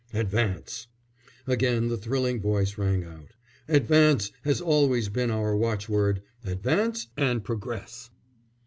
Advance," again the thrilling voice rang out. "Advance has always been our watchword, advance and progress."